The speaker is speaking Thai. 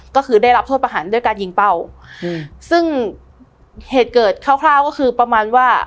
ก็คือได้รับโทษประหารด้วยการยิงเป้าอืมซึ่งเหตุเกิดคร่าวคร่าวก็คือประมาณว่า